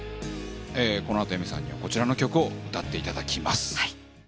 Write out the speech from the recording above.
このあとＡｉｍｅｒさんには、こちらの曲を歌っていただきます。